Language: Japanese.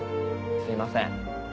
すいません。